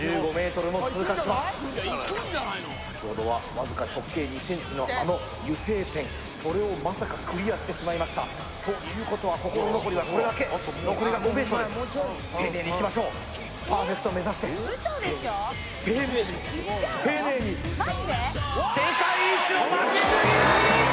１５ｍも通過しますきた先ほどはわずか直径２ｃｍのあの油性ペンそれをまさかクリアしてしまいましたということは心残りはこれだけ残りが５ｍ丁寧にいきましょうパーフェクト目指して丁寧に丁寧に丁寧に世界一の負けず嫌い